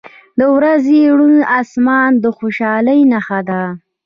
• د ورځې روڼ آسمان د خوشحالۍ نښه ده.